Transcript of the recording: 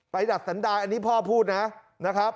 ดัดสันดาอันนี้พ่อพูดนะครับ